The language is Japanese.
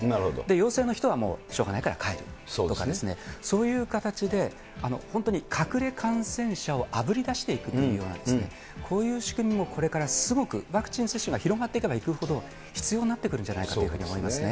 陽性の人はしょうがないから帰るとかね、そういう形で、本当に隠れ感染者をあぶりだしていくというような、こういう仕組みもこれからすごく、ワクチン接種が広がっていけばいくほど、必要になってくるんじゃないかと思いますね。